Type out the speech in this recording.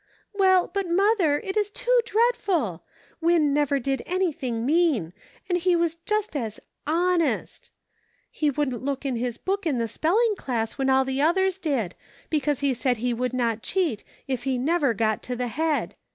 " Well, but, mother, it is too dreadful ! Win never did anything mean ; and he was just as hon est ! He wouldn't look in his book in the spelling class when all the others did ; because he said he would not cheat, if he never got to the head.